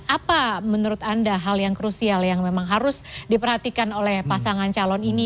apa menurut anda hal yang krusial yang memang harus diperhatikan oleh pasangan calon ini